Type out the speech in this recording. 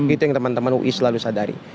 itu yang teman teman ui selalu sadari